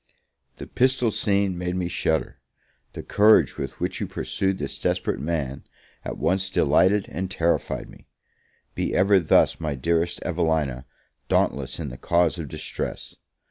The pistol scene made me shudder; the courage with which you pursued this desperate man, at once delighted and terrified me. Be ever thus, my dearest Evelina, dauntless in the cause of distress!